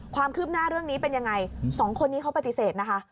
ความคืบหน้าเรื่องนี้เป็นยังไงสองคนนี้เขาปฏิเสธนะคะ